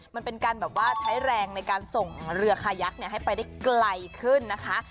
มันเป็นการแบบว่าใช้แรงในการส่งเรือคายักษ์ให้ไปได้ไกลขึ้นนะคะ